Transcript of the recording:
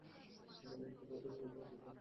সকালে, এটা খবরের কাগজে প্রকাশিত হবে।